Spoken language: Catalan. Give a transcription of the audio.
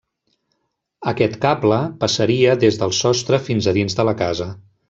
Aquest cable passaria des del sostre fins a dins de la casa.